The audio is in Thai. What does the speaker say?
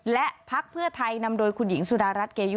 และพักเพื่อไทย